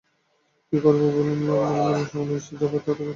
কী করব বলুন-মিনিস্টার হিসেবে যা পাই তাতে এর চেয়ে ভালো খাওয়া সম্ভব না।